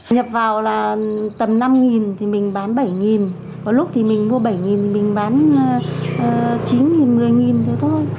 nhập vào là tầm năm nghìn thì mình bán bảy nghìn có lúc thì mình mua bảy nghìn mình bán chín nghìn một mươi nghìn thôi thôi